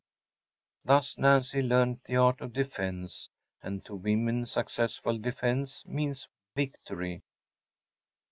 Thus Nancy learned the art of defense; and to women successful defense means victory.